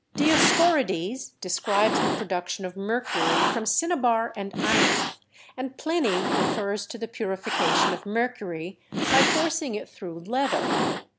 Dioscorides describes the production of mercury from cinnabar and iron, and Pliny refers to the purification of mercury by forcing it through leather.